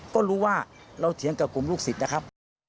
ก็รู้ว่าเราเถียงกับกลุ่มลูกศิษย์นะครับ